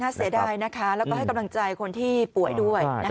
เสียดายนะคะแล้วก็ให้กำลังใจคนที่ป่วยด้วย